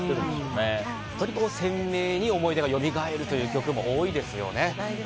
本当に鮮明に思い出がよみがえる曲も多いですよね。